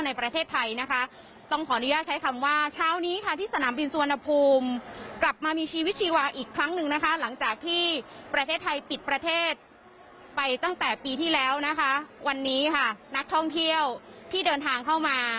นะคะวันนี้ค่ะนักท่องเที่ยวที่เดินทางเข้ามา